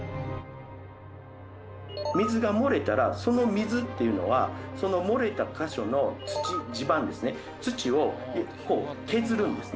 水が漏れたらその水っていうのはその漏れた箇所の土地盤ですね土を削るんですね。